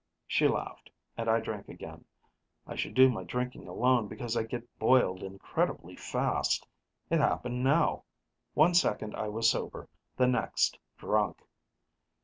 She laughed, and I drank again. I should do my drinking alone because I get boiled incredibly fast. It happened now. One second I was sober; the next, drunk.